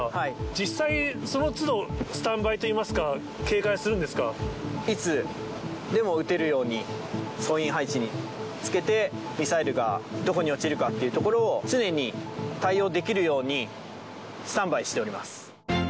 実際、そのつどスタンバイといいいつでも撃てるように、総員配置につけて、ミサイルがどこに落ちるかっていうところを、常に対応できるようにスタンバイしております。